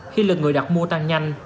khi lần người đặt mua tăng nhanh